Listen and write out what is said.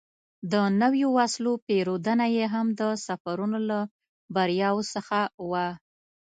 د نویو وسلو پېرودنه یې هم د سفرونو له بریاوو څخه وه.